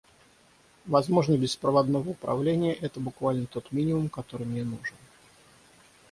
Возможность беспроводного управления — это буквально тот минимум, который мне нужен.